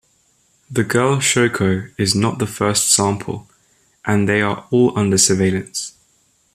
The girl Shoko is not the first sample, and they are all under surveillance.